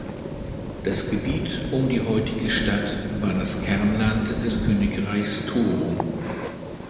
Das Gebiet um die heutige Stadt war das Kernland des Königreichs Toro.